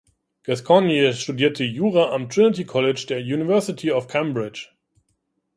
Gascoigne studierte Jura am Trinity College der University of Cambridge.